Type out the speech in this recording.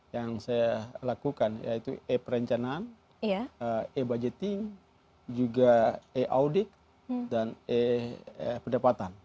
yang saya lakukan yaitu e perencanaan e budgeting juga e audit dan e pendapatan